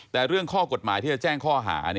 แต่เรื่องข้อกฎหมายที่จะแจ้งข้อหา